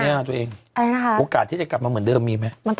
ในแม่ตัวเองโอกาสที่จะกลับมาเหมือนเดิมมีมั้ย